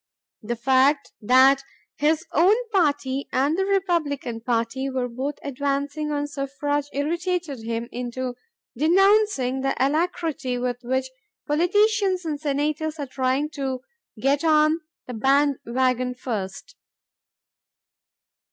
The fact that his own party and the Republican party were both advancing on suffrage irritated him into denouncing the alacrity with which "politicians and senators are trying to get on the band wagon first."